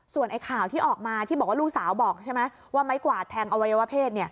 ส่วนข่าวที่ออกมาที่บอกว่าลูกสาวบอกใช่ไหมว่าไม้กวาดแทงอวัยวะเพศ